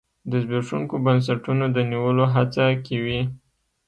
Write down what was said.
د زبېښونکو بنسټونو د نیولو هڅه کې وي.